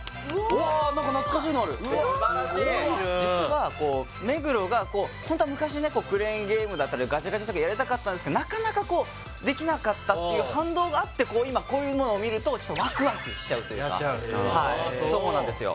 なんか懐かしいのあるすばらしい実は目黒がホントは昔クレーンゲームだったりガチャガチャとかやりたかったんですけどなかなかできなかったっていう反動があって今こういうものを見るとワクワクしちゃうというかやっちゃうはいそうなんですよ